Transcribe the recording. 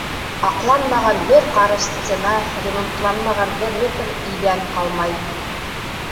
Аҡланмаған бер ҡарыш стена, ремонтланмаған бер метр иҙән ҡалмай.